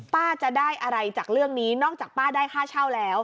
ป้าจะได้อะไรจากเรื่องนี้นอกจากป้าได้ค่าเช่าแล้ว